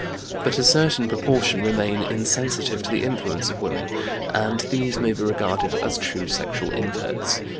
But a certain proportion remain insensitive to the influence of women, and these may be regarded as true sexual inverts.